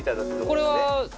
これは。